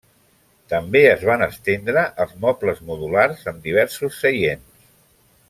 També es van estendre els mobles modulars amb diversos seients.